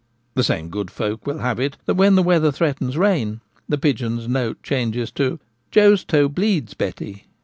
The same good folk will have it that when the weather threatens rain the pigeon's note changes to 'Joe's toe bleeds, Betty.'